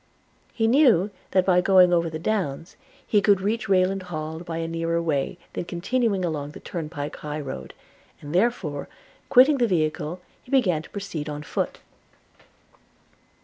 He knew that, by going over the downs, he could reach Rayland Hall by a nearer way than continuing along the turnpike high road; and therefore, quitting the vehicle, he again proceeded on foot.